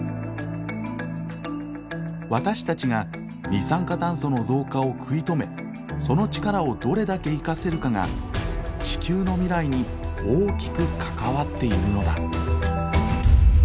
私たちが二酸化炭素の増加を食い止めその力をどれだけ生かせるかが地球の未来に大きく関わっているのだ。